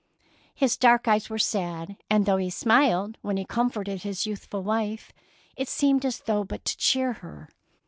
His dark eyes were sad, and though he smiled when he com forted his youthful wife, it seemed as though it was but to cheer her.